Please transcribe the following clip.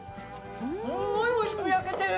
すごいおいしく焼けてる。